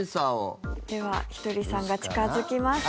ではひとりさんが近づきます。